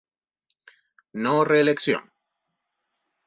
No Reelección.